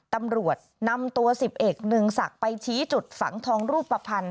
ตำรวจนำตัว๑๐เอกเนื่องศักดิ์ไปชี้จุดฝังทองรูปภัณฑ์